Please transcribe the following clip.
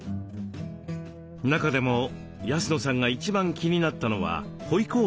中でも安野さんが一番気になったのはホイコーローの器。